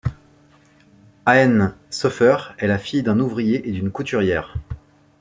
Aenne Seufert est la fille d'un ouvrier et d'une couturière.